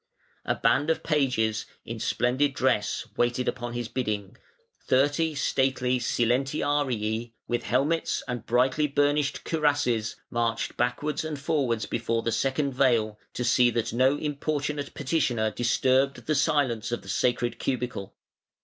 A band of pages, in splendid dress, waited upon his bidding; thirty stately silentiarii, with helmets and brightly burnished cuirasses, marched backwards and forwards before the second veil, to see that no importunate petitioner disturbed the silence of "the sacred cubicle".